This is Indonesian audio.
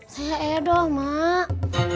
saya edoh mak